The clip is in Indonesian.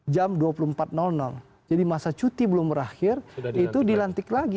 jam dua puluh empat jadi masa cuti belum berakhir itu dilantik lagi